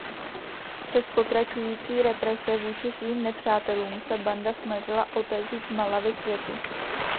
Přes pokračující represe vůči svým nepřátelům se Banda snažil otevřít Malawi světu.